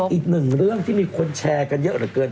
อีกหนึ่งเรื่องที่มีคนแชร์กันเยอะเหลือเกิน